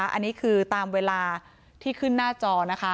อันนี้คือตามเวลาที่ขึ้นหน้าจอนะคะ